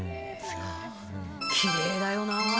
きれいだよな。